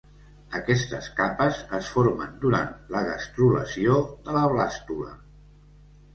Aquestes capes es formen durant la gastrulació de la blàstula.